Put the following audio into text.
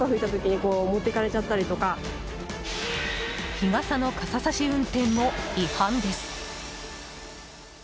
日傘の傘さし運転も違反です。